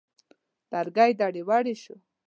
لرګی دړې دړې شو.